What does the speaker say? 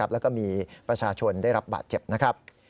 แล้วก็มีประชาชนได้รับบาดเจ็บนะครับ